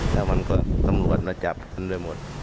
แล้วมันก็ตำรวจมาจับมันไปหมด